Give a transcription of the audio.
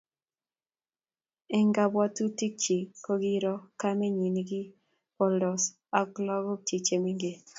Eng kabwatutikchi kokiiro kamenyi ne kiboldos ak lagokchi chemengech